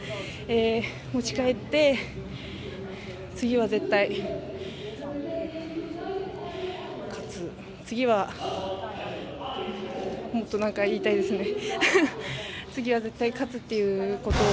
持ち帰って、次は絶対勝つ次はもっと何か言いたいですね。